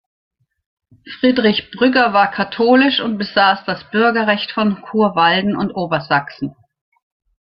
Friedrich Brügger war katholisch und besass das Bürgerrecht von Churwalden und Obersaxen.